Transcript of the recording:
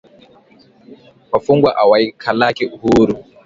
Wafungwa awaikalaki huuru